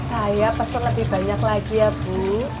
saya pesan lebih banyak lagi ya bu